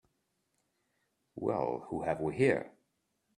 Well who have we here?